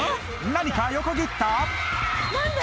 何か横切った？